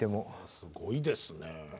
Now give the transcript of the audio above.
すごいですね。